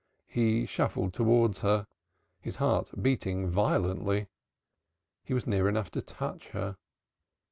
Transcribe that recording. He shuffled towards her, his heart beating violently. He was near enough to touch her.